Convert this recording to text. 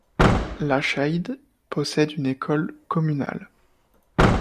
Lascheid possède une école communale.